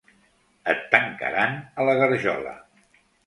Et tancaran a la garjola.